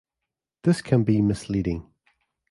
This can be misleading.